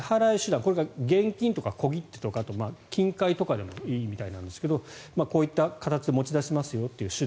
これが現金とか小切手とかあとは金塊とかでもいいみたいなんですけどこういった形で持ち出しますよという手段